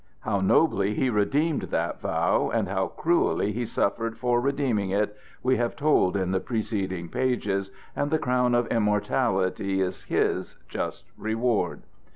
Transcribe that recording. How nobly he redeemed that vow and how cruelly he suffered for redeeming it, we have told in the preceding pages, and the crown of immortality is his just reward.